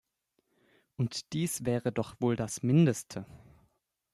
Und dies wäre doch wohl das Mindeste.